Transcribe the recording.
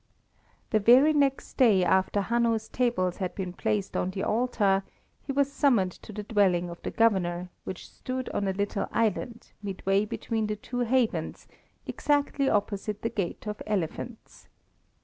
The very next day after Hanno's tables had been placed on the altar, he was summoned to the dwelling of the Governor, which stood on a little island, midway between the two havens, exactly opposite the Gate of Elephants.